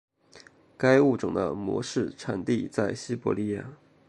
该物种的模式产地在西伯利亚。